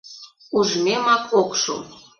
— Ужмемак ок шу!